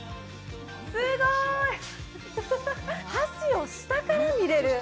すごい！橋を下から見れる！